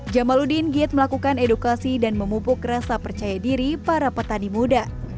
jamaludin giat melakukan edukasi dan memupuk rasa percaya diri para petani muda